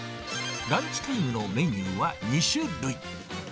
ランチタイムのメニューは２種類。